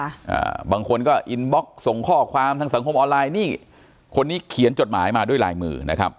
อ่าบางคนก็อินบล็อกส่งข้อความทางสังคมออนไลน์นี่คนนี้เขียนจดหมายมาด้วยลายมือนะครับ